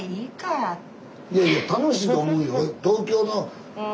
いやいや楽しいと思うよ。